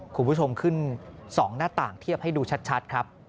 คุณผู้ชมขึ้น๒หน้าต่างเทียบให้ดูชัดครับ